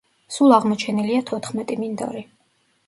სულ აღმოჩენილია თოთხმეტი მინდორი.